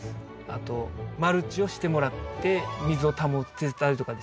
あとマルチをしてもらって水を保ってたりとかですね